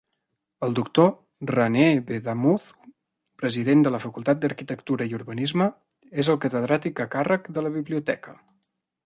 El doctor Ranee Vedamuthu, president de la Facultat d'Arquitectura i Urbanisme, és el catedràtic a càrrec de la biblioteca.